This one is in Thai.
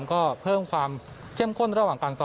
ก็เพิ่มความเข้มข้นระหว่างการซ้อม